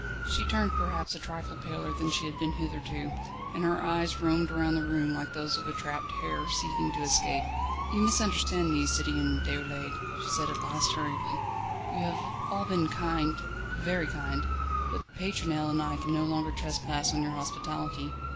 She turned perhaps a trifle paler than she had been hitherto, and her eyes roamed round the room like those of a trapped hare seeking to escape. "You misunderstand me, Citoyen Déroulède," she said at last hurriedly. "You have all been kind very kind but Pétronelle and I can no longer trespass on your hospitality.